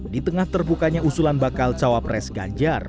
di tengah terbukanya usulan bakal cawapres ganjar